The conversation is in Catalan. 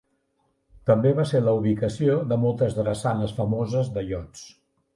També va ser la ubicació de moltes drassanes famoses de iots.